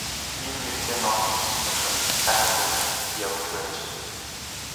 Ийм нэртэй ном гарчихсан байхад гайхаад байх явдалгүй аж.